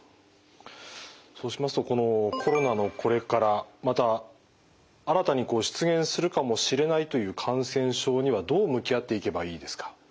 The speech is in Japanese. そうしますとこのコロナのこれからまた新たに出現するかもしれないという感染症にはどう向き合っていけばいいですか？